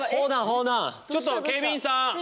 ちょっと警備員さん！